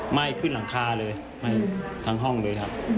ไหม้ขึ้นหลังคาเลยไหม้ทั้งห้องเลยครับ